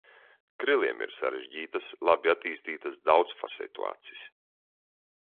Kriliem ir sarežģītas, labi attīstītas daudzfasetu acis.